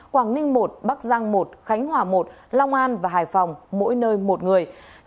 quảng ninh một bắc giang một khánh hòa một long an và hải phòng mỗi nơi một người